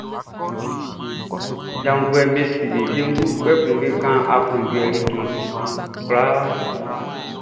Janvuɛʼm be sri be wiengu, kpɛkun be kan aklunjuɛ like kwlaa.